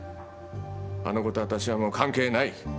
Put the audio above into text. あの子と私はもう関係ない。